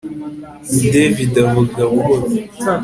David avuga buhoro